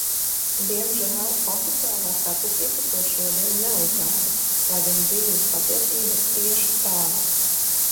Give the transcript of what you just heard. Diemžēl oficiālā statistika to šodien neuzrāda, lai gan dzīves patiesība ir tieši tāda.